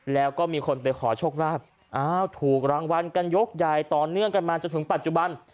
แล้วก็มีคนไปขอโชคลาภอ้าวถูกรางวัลกันยกใหญ่ต่อเนื่องกันมาจนถึงปัจจุบัน